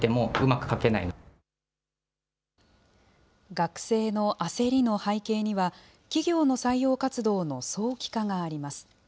学生の焦りの背景には、企業の採用活動の早期化があります。